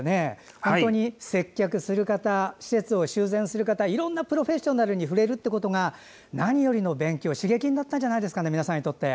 本当に接客する方施設を修繕する方いろんなプロフェッショナルに触れるということが何よりも勉強、刺激になったんじゃないでしょうか。